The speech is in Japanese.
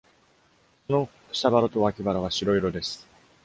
その下腹と脇腹は白色です。